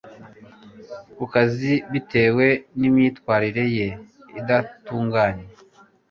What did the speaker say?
ku kazi bitewe n imyitwarire ye itandukanye